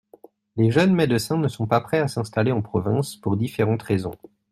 Les jeunes médecins ne sont pas prêts à s’installer en province pour différentes raisons.